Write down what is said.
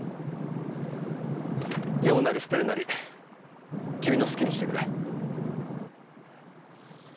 読むなり捨てるなり君の好きにしてくれ。